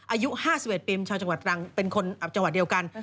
อายุ๕๑ปีชาวจังหวัดตรังเป็นคนอับจังหวัดเดียวกัน